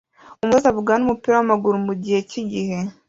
Umutoza avugana numupira wamaguru mugihe cyigihe